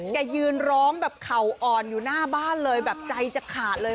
แกยืนร้องแบบเข่าอ่อนอยู่หน้าบ้านเลยแบบใจจะขาดเลย